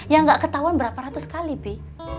yang gak ketahuan berapa ratus kali pi